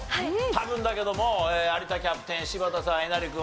多分だけども有田キャプテン柴田さんえなり君